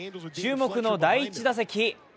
注目の第１打席。